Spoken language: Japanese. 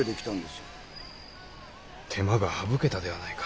手間が省けたではないか。